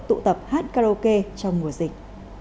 tụ tập hát karaoke trong mùa dịch